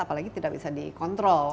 apalagi tidak bisa dikontrol